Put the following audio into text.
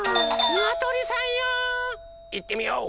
にわとりさんよ。いってみよう！